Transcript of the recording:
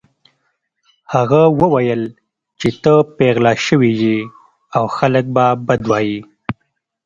هغه وویل چې ته پیغله شوې يې او خلک به بد وايي